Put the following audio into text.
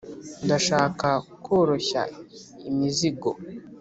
ndashaka koroshya imizigo